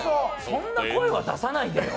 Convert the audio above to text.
そんな声は出さないでよ。